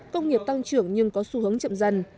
công nghiệp tăng trưởng nhưng có xu hướng chậm dần